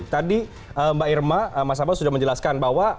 tadi mbak irma mas abbas sudah menjelaskan bahwa